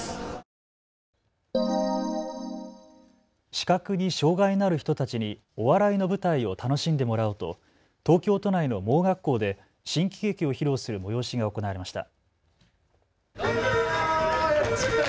視覚に障害のある人たちにお笑いの舞台を楽しんでもらおうと東京都内の盲学校で新喜劇を披露する催しが行われました。